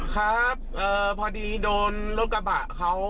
ครับพอดีโดนรถกระบะเขา